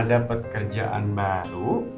dapet kerjaan baru